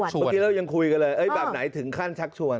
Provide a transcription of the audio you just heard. เมื่อกี้เรายังคุยกันเลยแบบไหนถึงขั้นชักชวน